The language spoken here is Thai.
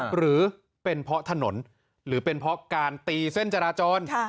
หรือเป็นเพราะถนนหรือเป็นเพราะการตีเส้นจราจร